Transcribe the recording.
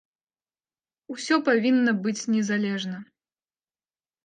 Усё павінна быць незалежна.